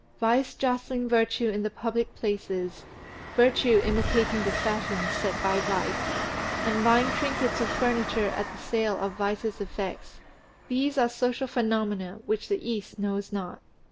Vice jostling virtue in the public places; virtue imitating the fashions set by vice, and buying trinkets or furniture at the sale of vice's effects these are social phenomena which the East knows not.